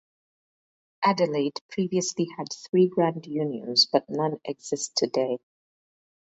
Adelaide previously had three grand unions, but none exist today.